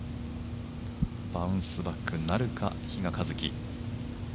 バウンスバックなるか比嘉一貴。